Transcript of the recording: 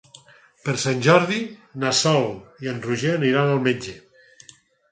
Per Sant Jordi na Sol i en Roger aniran al metge.